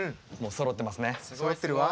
そろってますね。